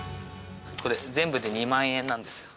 これ全部で２万円なんですよ。